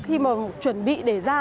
khi mà chuẩn bị để ra tàu